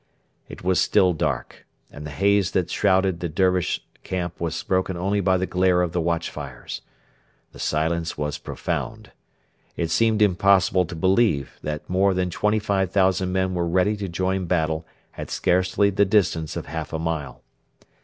It was still dark, and the haze that shrouded the Dervish camp was broken only by the glare of the watch fires. The silence was profound. It seemed impossible to believe that more than 25,000 men were ready to join battle at scarcely the distance of half a mile.